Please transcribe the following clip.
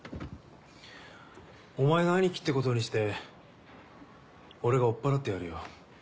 お前の兄貴ってことにして俺が追っ払ってやるよ。